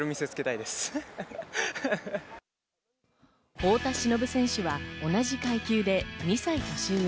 太田忍選手は同じ階級で２歳年上。